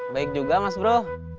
baik juga mas bro